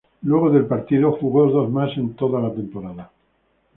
Luego de encuentro jugó dos más en toda la temporada.